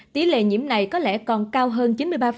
tỷ lệ nhiễm này có lẽ còn cao hơn chín mươi ba